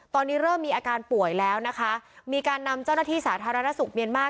ตอนนี้เริ่มมีอาการป่วยแล้วนะคะมีการนำเจ้าหน้าที่สาธารณสุขเมียนมาร์